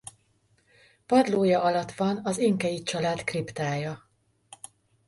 Padlója alatt van az Inkey család kriptája.